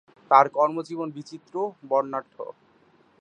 তাঁর কর্মজীবন বিচিত্র, বর্ণাঢ্য।